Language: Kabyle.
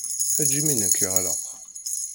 Ejj imi-nnek yeɣleq.